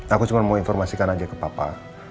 aku cuma mau informasikan aja ke papa